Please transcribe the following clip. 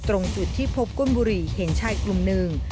ตรงจุดที่พบก้นบุหรี่เห็นชายกลุ่มหนึ่ง